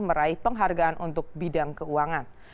meraih penghargaan untuk bidang keuangan